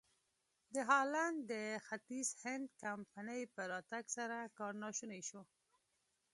د هالنډ د ختیځ هند کمپنۍ په راتګ سره کار ناشونی شو.